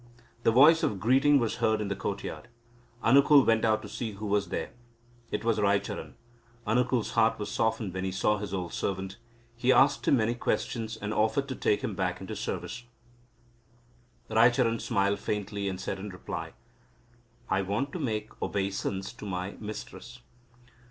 A voice of greeting was heard in the courtyard. Anukul went out to see who was there. It was Raicharan. Anukul's heart was softened when he saw his old servant. He asked him many questions, and offered to take him back into service. Raicharan smiled faintly, and said in reply; "I want to make obeisance to my mistress."